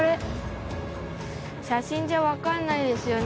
写真じゃわかんないですよね。